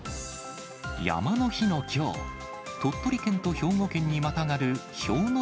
山の日のきょう、鳥取県と兵庫県にまたがる氷ノ